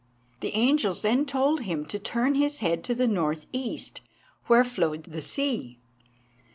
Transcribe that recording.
The angels then told him to turn his head to the north east, where flowed the sea.